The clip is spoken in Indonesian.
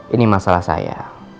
ini masalah saya